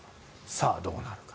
さあどうなるか。